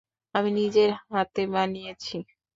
আমি নিজের হাতে বানিয়েছি।